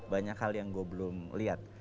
banyak hal yang gue belum lihat